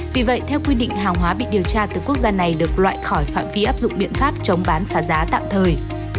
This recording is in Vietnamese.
vì vậy theo quy định hàng hóa bị điều tra từ quốc gia này được loại khỏi phạm vi áp dụng biện pháp chống bán phá giá tạm thời